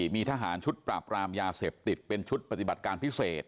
มีทหารชุดปราบรามยาเสพติดเป็นชุดปฏิบัติการพิเศษ